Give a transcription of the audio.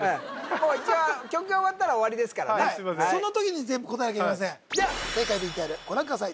もう曲が終わったら終わりですからねその時に全部答えなきゃいけませんでは正解ＶＴＲご覧ください